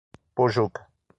Pojuca